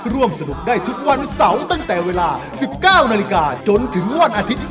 ร่วมสนุกได้ทุกวันเสาร์ตั้งแต่เวลา๑๙นาฬิกาจนถึงวันอาทิตย์